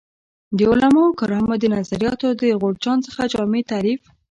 د علمای کرامو د نظریاتو د غورچاڼ څخه جامع تعریف